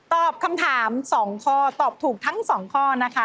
ตอบคำถาม๒ข้อตอบถูกทั้ง๒ข้อนะคะ